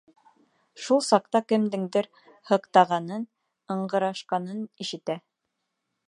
Шул саҡта кемдеңдер һыҡтағанын, ыңғырашҡанын ишетә.